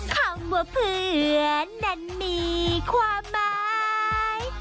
คำว่าเพื่อนนั้นมีความหมาย